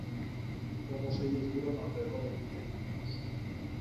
Todos ellos duran alrededor de quince minutos.